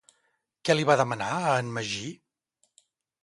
Què li va demanar a en Magí?